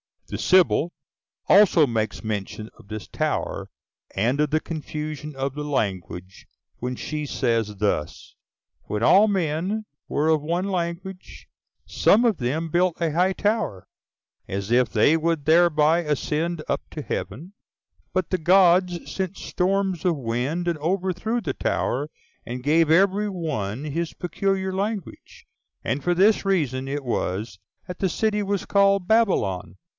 The Sibyl also makes mention of this tower, and of the confusion of the language, when she says thus: "When all men were of one language, some of them built a high tower, as if they would thereby ascend up to heaven, but the gods sent storms of wind and overthrew the tower, and gave every one his peculiar language; and for this reason it was that the city was called Babylon."